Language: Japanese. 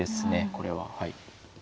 これは。